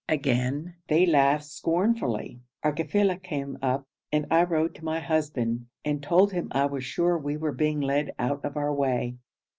again they laughed scornfully. Our kafila came up, and I rode to my husband and told him I was sure we were being led out of our way.